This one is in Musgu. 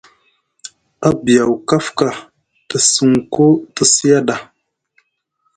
A biyaw kafka te sinku te siaɗa.